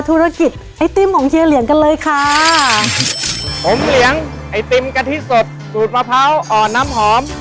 ธุรกิจไอติมของเฮียเหลียงกันเลยค่ะผมเหลียงไอติมกะทิสดสูตรมะพร้าวอ่อนน้ำหอม